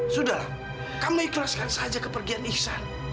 sudahlah kamu ikhlaskan saja kepergian iksan